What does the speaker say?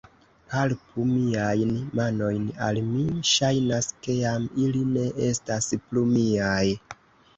Palpu miajn manojn; al mi ŝajnas, ke jam ili ne estas plu miaj.